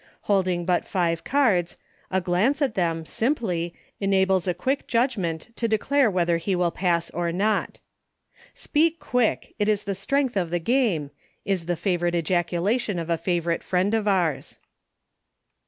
Holding but five cards, a glance at them, simply, enables a quick judgment to declare whether he will pass, or not. " Speak quick — it is the strength of the game," is the favorite ejaculation of a favorite friend of ours.